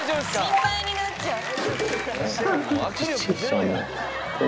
心配になっちゃう。